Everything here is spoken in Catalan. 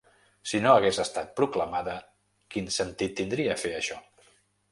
Si no hagués estat proclamada, quin sentit tindria fer això?